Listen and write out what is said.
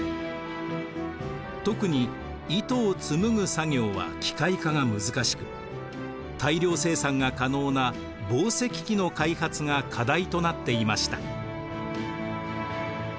特に糸を紡ぐ作業は機械化が難しく大量生産が可能な紡績機の開発が課題となっていました。